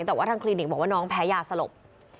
แต่ว่าทางคลินิกบอกว่าน้องแพ้ยาสลบ